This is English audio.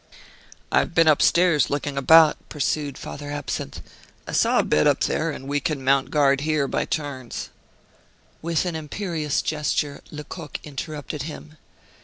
"I have been upstairs, looking about," pursued Father Absinthe; "I saw a bed up there, and we can mount guard here, by turns." With an imperious gesture, Lecoq interrupted him.